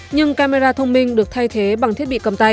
nhưng camera thông minh được thay thế bằng thiết bị cầm tay